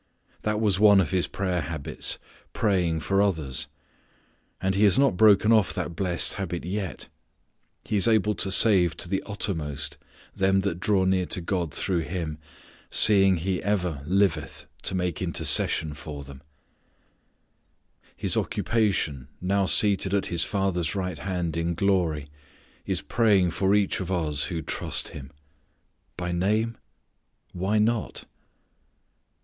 _ That was one of His prayer habits, praying for others. And He has not broken off that blessed habit yet. He is able to save to the uttermost them that draw near to God through Him seeing He ever liveth to make intercession for them. His occupation now seated at His Father's right hand in glory is praying for each of us who trust Him. By name? Why not?